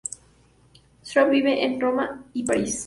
Straub vive entre Roma y París.